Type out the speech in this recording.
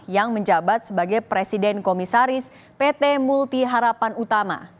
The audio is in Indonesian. yang menjabat sebagai presiden komisaris pt multi harapan utama